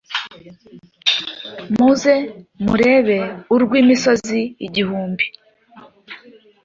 Muze murebe urw’imisozi igihumbi,